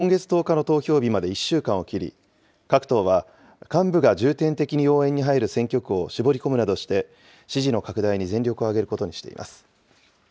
参議院選挙は、今月１０日の投票日まで１週間を切り、各党は幹部が重点的に応援に入る選挙区を絞り込むなどして、支持の拡大に全力を挙げることにしています。